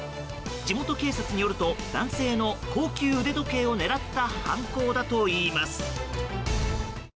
地元警察によると男性の高級腕時計を狙った犯行だといいます。